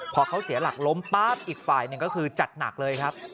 พอเขาเสียหลักล้มปั๊บอีกฝ่ายหนึ่งก็คือจัดหนักเลยครับ